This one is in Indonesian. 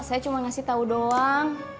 saya cuma ngasih tahu doang